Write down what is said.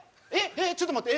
ちょっと待って。